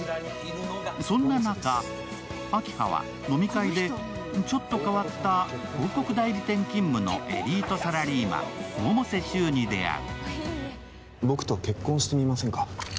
そのな中、明葉は飲み会でちょっと変わった広告代理店勤務のエリートサラリーマン、百瀬柊に出会う。